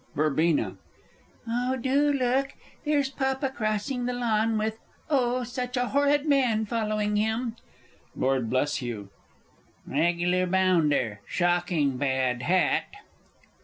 _ Verb. Oh, do look! there's Papa crossing the lawn with, oh, such a horrid man following him! Lord B. Regular bounder. Shocking bad hat!